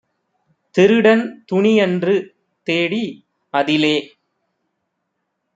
திருடன் துணியன்று தேடி, அதிலே